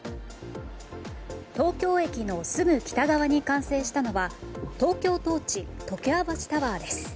東京駅のすぐ北側に完成したのはＴＯＫＹＯＴＯＲＣＨ常盤橋タワーです。